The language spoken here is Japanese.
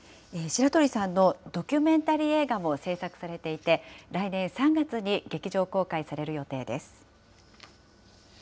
白鳥さんのドキュメンタリー映画も製作されていて、来年３月に劇場公開される予定です。